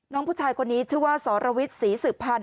น้องผู้ชายคนนี้ชื่อว่าสรวิทย์ศรีสืบพันธ